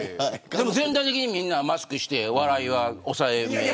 全体的に、みんなマスクして笑いは抑えめに。